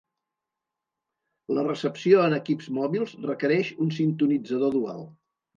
La recepció en equips mòbils requereix un sintonitzador dual.